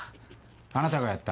あなたがやった？